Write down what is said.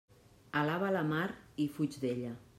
Alaba la mar i fuig d'ella.